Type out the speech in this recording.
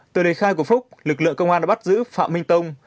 từ đề khai của phúc lực lượng công an đã bắt giữ phạm minh tông